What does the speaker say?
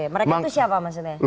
mereka itu siapa maksudnya